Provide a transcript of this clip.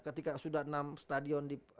ketika sudah enam stadion